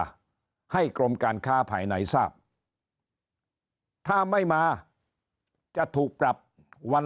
แจ้งราคายาให้กรมการค้าภายไหนทราบถ้าไม่มาจะถูกปรับวัน